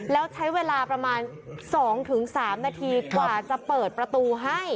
แล้วใช้เวลาประมาณสองถึงสามนาทีก่วาจะเปิดประตูให้